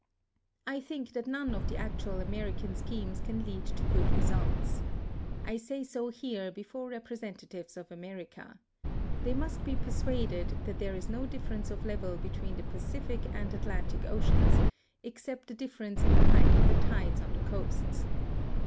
I think that none of the actual American schemes can lead to good results. I say so here before representatives of America. They must be persuaded that there is no difference of level between the Pacific and Atlantic Oceans, except the difference in the height of the tides on the coasts.